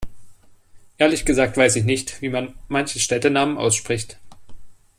Ehrlich gesagt weiß ich nicht, wie man manche Städtenamen ausspricht.